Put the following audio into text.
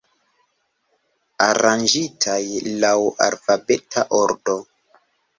Aranĝitaj laŭ alfabeta ordo.